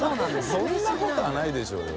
そんなことはないでしょうよ。